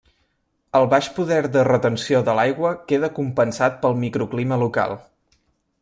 El baix poder de retenció de l'aigua queda compensat pel microclima local.